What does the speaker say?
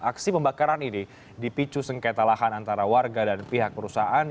aksi pembakaran ini dipicu sengketa lahan antara warga dan pihak perusahaan